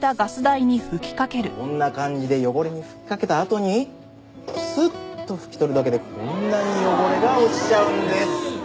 こんな感じで汚れに吹きかけたあとにスッと拭き取るだけでこんなに汚れが落ちちゃうんです。